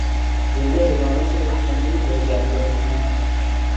۔ جنہیں دبانے سے یہ ٹھنڈی ہوجاتے ہیں۔